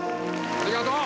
ありがとう！